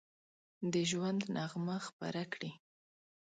د ژوند نغمه خپره کړي